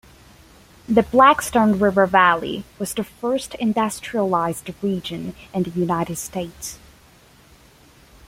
The Blackstone River Valley was the first industrialized region in the United States.